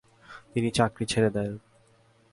তিনি চাকরি ছেড়ে দেন।